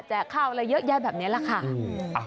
ข้าวอะไรเยอะแยะแบบนี้แหละค่ะ